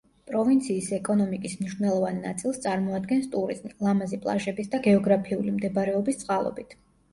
პროვინციის ეკონომიკის მნიშვნელოვან ნაწილს წარმოადგენს ტურიზმი, ლამაზი პლაჟების და გეოგრაფიული მდებარეობის წყალობით.